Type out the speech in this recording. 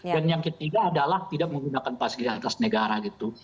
dan yang ketiga adalah tidak menggunakan fasilitas negara